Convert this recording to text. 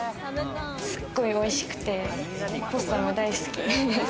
すっごいおいしくてボッサム、大好き。